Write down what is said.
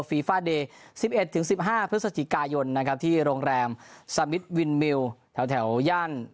ฟีฟ้าเดย์สิบเอ็ดถึงสิบห้าพฤษฐกายนนะครับที่โรงแรมแถวแถวย่าน